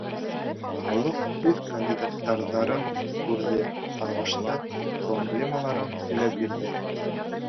Халыҡ үҙ кандидаттарын күрҙе, аралашты, проблемаларын һөйләп бирҙе.